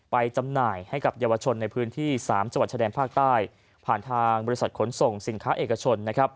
จำหน่ายให้กับเยาวชนในพื้นที่๓จังหวัดชายแดนภาคใต้ผ่านทางบริษัทขนส่งสินค้าเอกชน